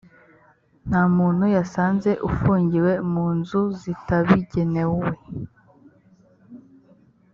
nta muntu yasanze ufungiwe mu nzu zitabigenewe